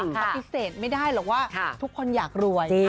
ปฏิเสธไม่ได้หรอกว่าทุกคนอยากรวย